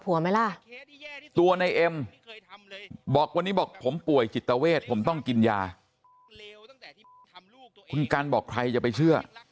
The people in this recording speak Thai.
ตัวในเอ็มบอกวันนี้บอกผมป่วยจิตเวทผมต้องกินยาคุณกันบอกใครจะไปเชื่อ